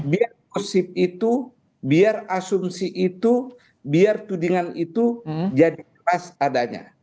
biar kosip itu biar asumsi itu biar tudingan itu jadi keras adanya